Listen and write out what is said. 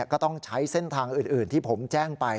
ก็ต้องใช้เส้นทางอื่นที่ผมแจ้งไป